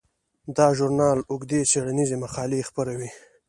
دا ژورنال اوږدې څیړنیزې مقالې خپروي.